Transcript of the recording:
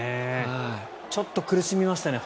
ちょっと苦しみましたね